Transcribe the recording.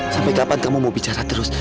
sampai kapan kamu mau bicara terus